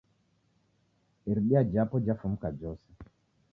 Iridia japo jafumuka jose